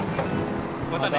またね